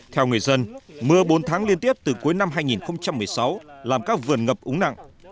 theo người dân mưa bốn tháng liên tiếp từ cuối năm hai nghìn một mươi sáu làm các vườn ngập úng nặng